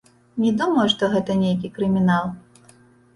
Не думаю, што гэта нейкі крымінал.